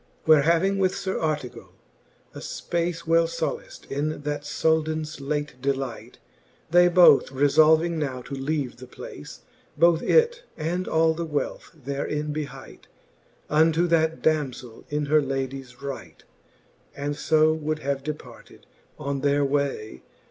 Where having with Sir Artegall a fpace Well folaft in that Souldans late delight, They both refolving now to leave the place, Both it and all the wealth therein behight Unto that damzeli in her ladies right, And fo would have departed on their way.